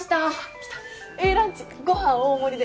来たＡランチご飯大盛りで。